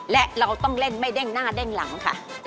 และเราต้องเล่นไม่เด้งหน้าเด้งหลังค่ะ